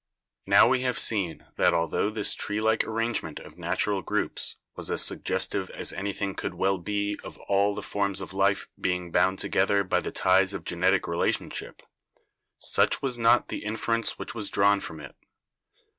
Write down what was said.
"Now we have seen that altho this tree like arrangement of natural groups was as suggestive as anything could well be of all the forms of life being bound together by the ties of genetic relationship, such was not the inference which was drawn from it.